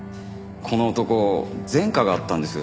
この男前科があったんです。